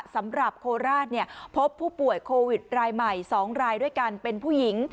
สำหรับโคราชพบผู้ป่วยโควิดรายใหม่๒รายด้วยกันเป็นผู้หญิง